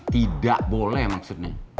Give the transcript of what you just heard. tidak boleh maksudnya